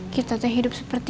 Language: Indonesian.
kita teh hidup seperti